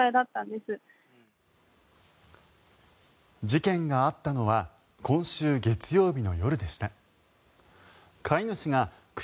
事件があったのは今週月曜日の夜でした。